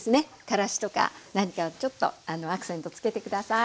からしとか何かちょっとアクセント付けて下さい。